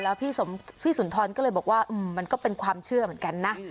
แล้วพี่สุนทรก็เลยบอกว่ามันก็เป็นความเชื่อเหมือนกันนะ